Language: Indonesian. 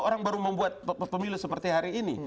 orang baru membuat pemilu seperti hari ini